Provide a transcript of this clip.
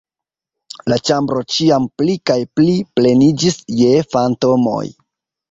La ĉambro ĉiam pli kaj pli pleniĝis je fantomoj.